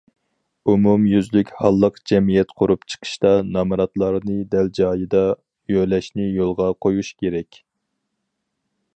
ئومۇميۈزلۈك ھاللىق جەمئىيەت قۇرۇپ چىقىشتا، نامراتلارنى دەل جايىدا يۆلەشنى يولغا قويۇش كېرەك.